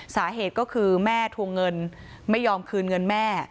สาเหตุก็คือแม่ทวงเงินไม่ยอมคืนเงินแม่